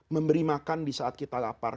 memberi makan di saat kita lapar